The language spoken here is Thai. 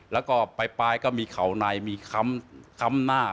แล้วก็ปลายก็มีเข่าในมีค้ำหน้า